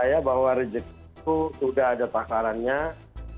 iya dokter pengen kami pengen bahkan pengonsen